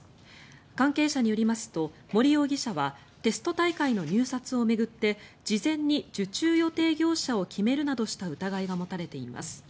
関係者によりますと森容疑者はテスト大会の入札を巡って事前に受注予定業者を決めるなどした疑いが持たれています。